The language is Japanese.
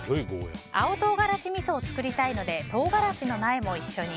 青唐辛子みそを作りたいので唐辛子の苗も一緒に。